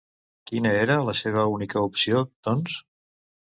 Quina era la seva única opció, doncs?